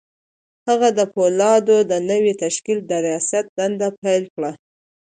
هغه د پولادو د نوي تشکيل د رياست دنده پيل کړه.